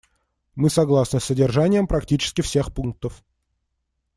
Мы согласны с содержанием практически всех пунктов.